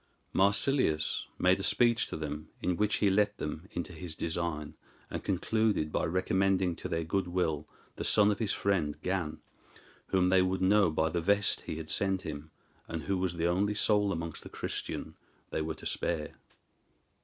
Marsilius made a speech to them, in which he let them into his design, and concluded by recommending to their good will the son of his friend Gan, whom they would know by the vest he had sent him, and who was the only soul amongst the Christian they were to spare.